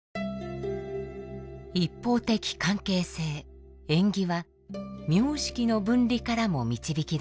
一方的関係性縁起は名色の分離からも導き出されます。